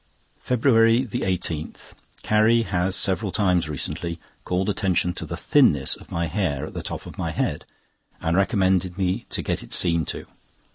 FEBRUARY 18.—Carrie has several times recently called attention to the thinness of my hair at the top of my head, and recommended me to get it seen to.